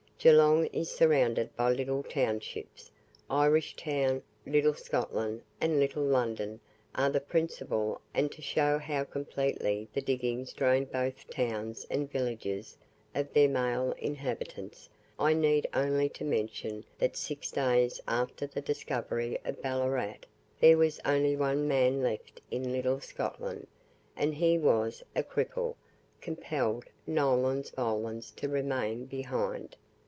Geelong is surrounded by little townships. Irish Town, Little Scotland, and Little London are the principal and to show how completely the diggings drained both towns and villages of their male inhabitants, I need only mention that six days after the discovery of Ballarat, there was only one man left in Little Scotland, and he was a cripple, compelled NOLENS VOLENS to remain behind.